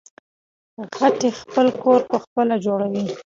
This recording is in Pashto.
غڼې خپل کور پخپله جوړوي